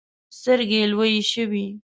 سترګې يې لویې شوې.